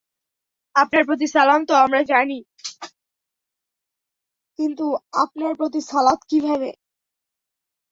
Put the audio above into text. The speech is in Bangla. আপনার প্রতি সালাম তো আমরা জানি, কিন্তু আপনার প্রতি সালাত কীভাবে?